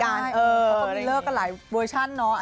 เขาก็มีเลิกกันหลายเวอร์ชั่นเนาะ